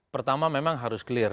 pertama memang harus clear